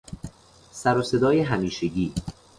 سر و صدای همیشگی